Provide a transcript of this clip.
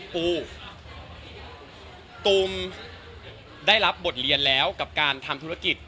ปูตูมได้รับบทเรียนแล้วกับการทำธุรกิจ